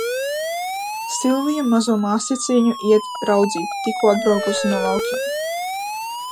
Silvija mazo māsīciņu iet raudzīt, tikko atbraukusi no laukiem.